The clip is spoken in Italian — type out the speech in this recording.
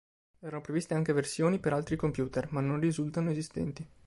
Erano previste anche versioni per altri computer, ma non risultano esistenti.